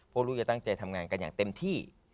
พวกลูกจะตั้งใจทำงานกันอย่างเต็มที่